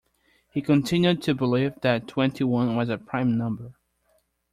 He continued to believe that twenty-one was a prime number